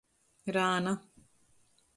Rāna.